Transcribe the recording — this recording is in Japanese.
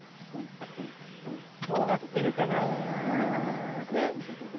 どうなってるかな？